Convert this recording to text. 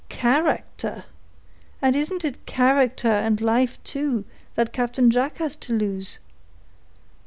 "Caractur! and isn't it caractur and life too that Captain Jack has to lose!"